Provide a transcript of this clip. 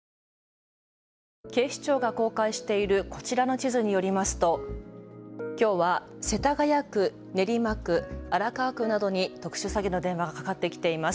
警視庁が公開しているこちらの地図によりますときょうは世田谷区、練馬区、荒川区などに特殊詐欺の電話がかかってきています。